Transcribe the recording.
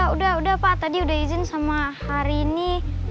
udah udah pak tadi udah izin sama hari ini